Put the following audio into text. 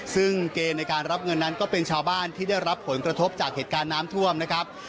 ซึ่งเกณฑ์ในการรับเงินนั้นก็เป็นชาวบ้านที่ได้รับผลกระทบจากเหตุการณ์น้ำท่วมนะครับ